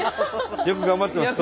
よく頑張ってます